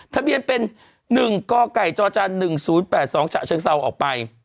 ทะเบียนเป็น๑กกจ๑๐๘๒ฉซออกไป